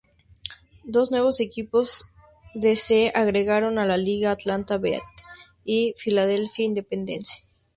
Dos nuevos equipos de se agregaron a la liga, "Atlanta Beat" y "Philadelphia Independence".